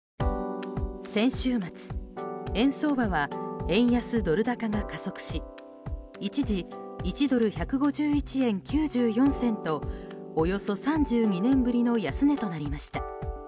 先週末、円相場は円安ドル高が加速し一時、１ドル＝１５１円９４銭とおよそ３２年ぶりの安値となりました。